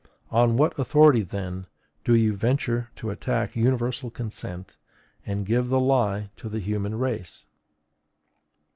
On what authority, then, do you venture to attack universal consent, and give the lie to the human race?